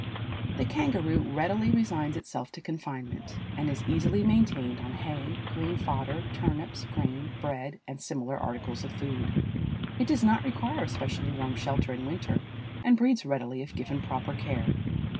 The kangaroo readily resigns itself to confinement, and is easily maintained on hay, green fodder, turnips, grain, bread, and similar articles of food. It does not require a specially warm shelter in winter and breeds readily if given proper care.